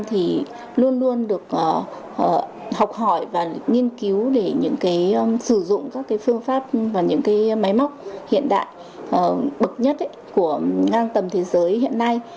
thì luôn luôn được học hỏi và nghiên cứu để sử dụng các phương pháp và những máy móc hiện đại bậc nhất của ngang tầm thế giới hiện nay